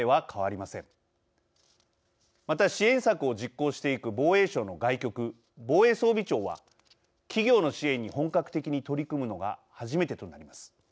また、支援策を実行していく防衛省の外局、防衛装備庁は企業の支援に本格的に取り組むのが初めてとなります。